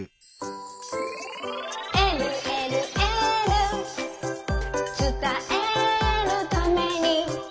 「えるえるエール」「つたえるために」